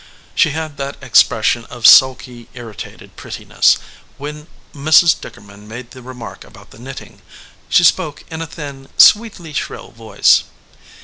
She had that ex pression of sulky, irritated prettiness, when Mrs. Dickerman made the remark about the knitting. She spoke in a thin, sweetly shrill voice.